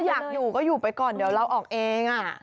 อยากอยู่ก็อยู่ไปก่อนเดี๋ยวเราออกเอง